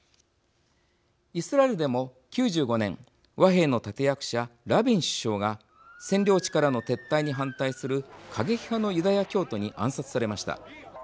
イスラエルでも９５年和平の立て役者ラビン首相が占領地からの撤退に反対する過激派のユダヤ教徒に暗殺されました。